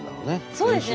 そうですね。